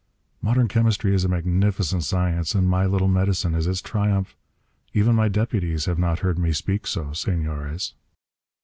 Modern chemistry is a magnificent science, and my little medicine is its triumph. Even my deputies have not heard me speak so, Senores."